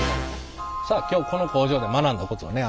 さあ今日この工場で学んだことをね